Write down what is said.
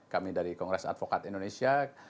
kami dari kongres advokat indonesia